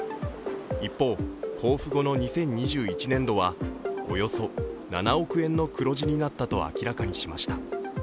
一方、交付後の２０２１年度は、およそ７億円の黒字になったと明らかにしました。